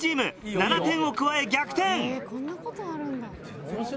７点を加え逆転。